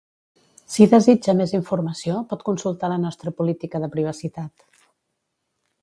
Si desitja més informació pot consultar la nostra Política de privacitat.